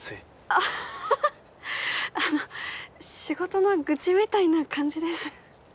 アッハハあの仕事の愚痴みたいな感じです。